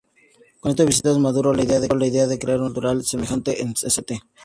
Con estas visitas maduró la idea de crear una empresa cultural semejante en St.